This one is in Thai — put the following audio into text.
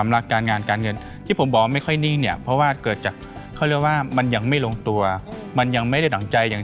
ไม่ใช่ทำจริง